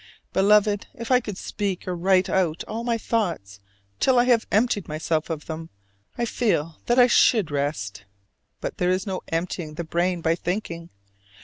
Beloved, if I could speak or write out all my thoughts, till I had emptied myself of them, I feel that I should rest. But there is no emptying the brain by thinking.